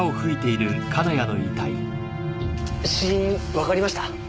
死因わかりました？